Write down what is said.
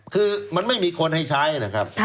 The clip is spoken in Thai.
คือมันไม่มีคนให้ใช้นะครับ